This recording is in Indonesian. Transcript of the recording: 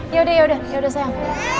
ya udah ya udah ya udah sayang